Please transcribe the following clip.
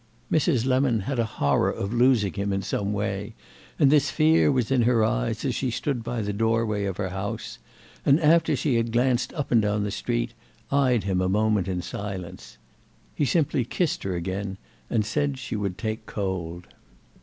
Mrs. Lemon had a horror of losing him in some way, and this fear was in her eyes as she stood by the doorway of her house and, after she had glanced up and down the street, eyed him a moment in silence. He simply kissed her again and said she would take cold.